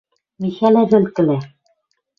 Михӓлӓ вӹлкӹлӓ